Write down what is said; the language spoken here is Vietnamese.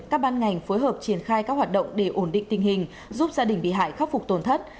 các ban ngành phối hợp triển khai các hoạt động để ổn định tình hình giúp gia đình bị hại khắc phục tổn thất